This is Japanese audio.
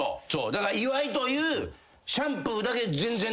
だから岩井というシャンプーだけ全然。